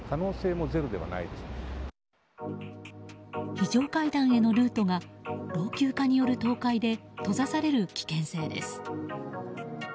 非常階段へのルートが老朽化による倒壊で閉ざされる危険性です。